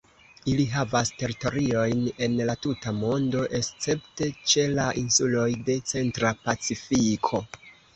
Ili havas teritoriojn en la tuta mondo, escepte ĉe la insuloj de centra Pacifiko.